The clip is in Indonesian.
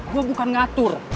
gue bukan ngatur